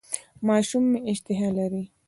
ماشوم مو اشتها لري؟